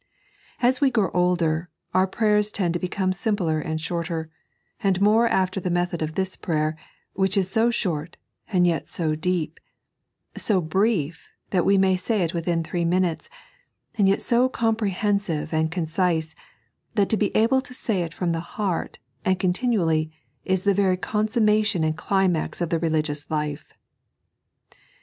As we grow older, our prayeiB tend to become simpler and shorter, and more after the method of this prayer, which is so short, and yet so deep ; so brief, that we may say it within three minutes ; and yet so comprehensive and concise, that to be able to say it from the heart, and con tinually, is the very consummation and climax of the religious life.